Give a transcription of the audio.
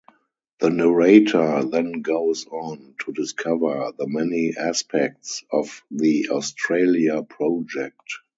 The narrator then goes on to discover the many aspects of the Australia Project.